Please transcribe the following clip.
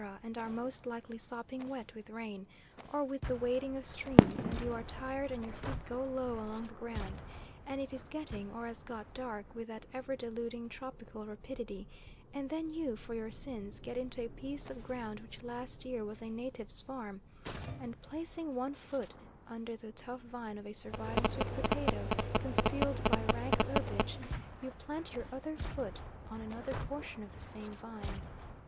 and are most likely sopping wet with rain, or with the wading of streams, and you are tired and your feet go low along the ground, and it is getting, or has got, dark with that ever deluding tropical rapidity, and then you for your sins get into a piece of ground which last year was a native's farm, and, placing one foot under the tough vine of a surviving sweet potato, concealed by rank herbage, you plant your other foot on another portion of the same vine.